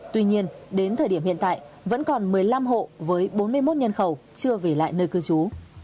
tuy nhiên đến thời điểm hiện tại vẫn còn một mươi năm hộ với bốn mươi một nhân khẩu chưa về lại nơi cư trú